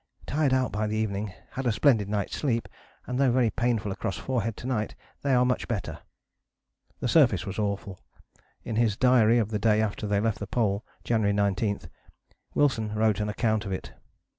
Tired out by the evening, had a splendid night's sleep, and though very painful across forehead to night they are much better." The surface was awful: in his diary of the day after they left the Pole (January 19) Wilson wrote an account of it.